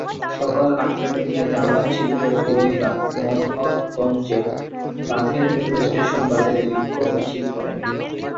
সকাল আটটার দিকে জামায়াত-শিবিরের কর্মীরা মনোহরগঞ্জের নাথেরপেটুয়া স্টেশন বাজারে বিক্ষোভ মিছিল করেন।